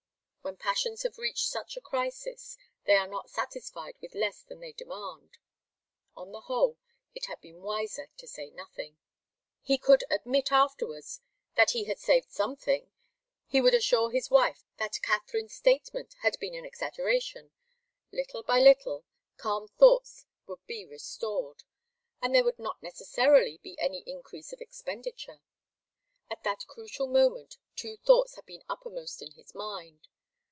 When passions have reached such a crisis, they are not satisfied with less than they demand. On the whole, it had been wiser to say nothing. He could admit afterwards that he had saved something he would assure his wife that Katharine's statement had been exaggerated little by little, calm would be restored. And there would not necessarily be any increase of expenditure. At that crucial moment two thoughts had been uppermost in his mind.